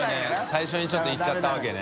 最初にちょっといっちゃったわけね。